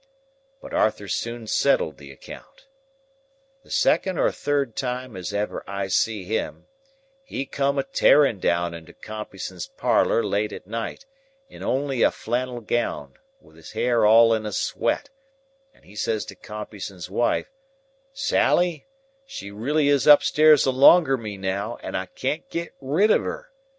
But Arthur soon settled the account. The second or third time as ever I see him, he come a tearing down into Compeyson's parlour late at night, in only a flannel gown, with his hair all in a sweat, and he says to Compeyson's wife, 'Sally, she really is upstairs alonger me, now, and I can't get rid of her.